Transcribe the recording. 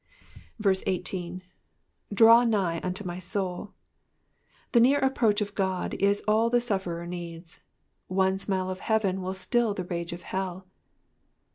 *' 18. "Drair nigh unto my touV The near approach of God is all the sufferer needs ; one smile of heaven will still the rage of hell.